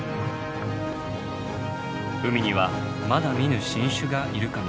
海にはまだ見ぬ新種がいるかもしれません。